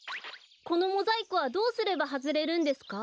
このモザイクはどうすればはずれるんですか？